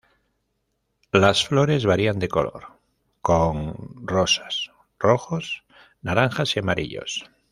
Las flores varían de color con, rosas, rojos, naranjas y amarillos.